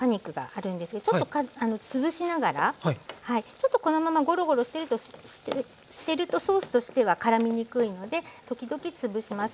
ちょっとこのままゴロゴロしてるとソースとしてはからみにくいので時々つぶします。